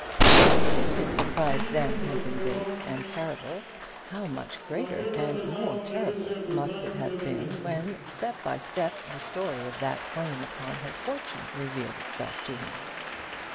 But if his surprise then had been great and terrible, how much greater and more terrible must it have been when, step by step, the story of that claim upon her fortune revealed itself to him!